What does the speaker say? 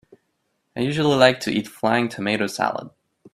I usually like to eat flying tomato salad.